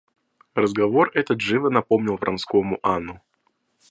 Разговор этот живо напомнил Вронскому Анну.